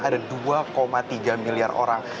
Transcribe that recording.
ada dua tiga miliar orang